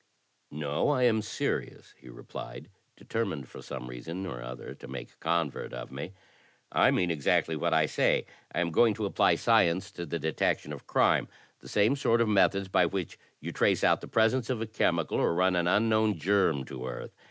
*'No, I am serious," he replied, determined for some reason or other to make a convert of me. " I mean exactly what I say. I am going to apply science to the detection of crime, the same sort of methods by which you trace out the presence of a chemical, or run an unknown germ to earth.